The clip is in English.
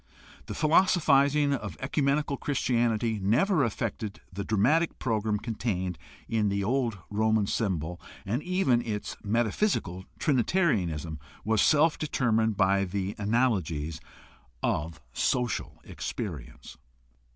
The philoso phizing of ecumenical Christianity never affected the dramatic program contained in the old Roman symbol, and even its metaphysical Trinitarianism was itself determined by the analogies of social experience.